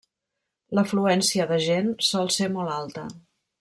L'afluència de gent sol ser molt alta.